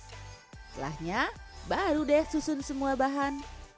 setelahnya baru deh susun semua bahan